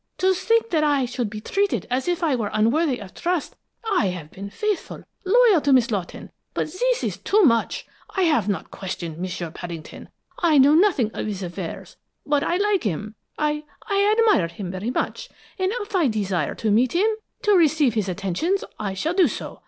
To think that I should be treated as if I were unworthy of trust. I have been faithful, loyal to Miss Lawton, but this is too much! I have not questioned M'sieu Paddington; I know nothing of his affairs, but I like him, I I admire him very much, and if I desire to meet him, to receive his attentions, I shall do so.